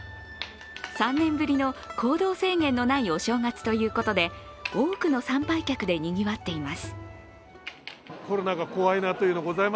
３年ぶりの、行動制限のないお正月ということで、多くの参拝客でにぎわっています。